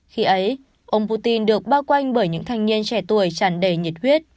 khi ấy ông putin được bao quanh bởi những thanh niên trẻ tuổi chẳng đầy nhiệt huyết